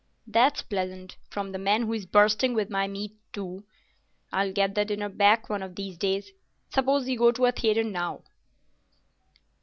"That's pleasant—from the man who is bursting with my meat, too. I'll get that dinner back one of these days. Suppose we go to a theatre now."